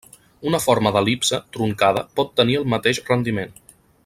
Una forma d'el·lipse truncada pot tenir el mateix rendiment.